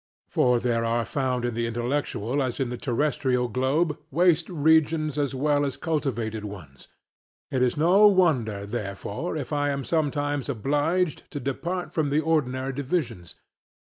For there are found in the intellectual as in the terrestial globe waste regions as well as cultivated ones. It is no wonder therefore if I am sometimes obliged to depart from the ordinary divisions.